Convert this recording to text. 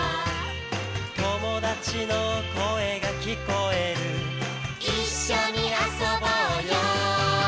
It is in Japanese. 「友達の声が聞こえる」「一緒に遊ぼうよ」